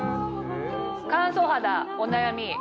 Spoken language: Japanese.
乾燥肌お悩み？